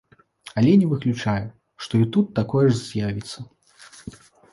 Але не выключаю, што і тут такое ж з'явіцца.